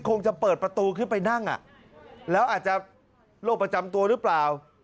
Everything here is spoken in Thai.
คงจะเปิดประตูขึ้นไปนั่งแล้วอาจจะโรคประจำตัวหรือเปล่า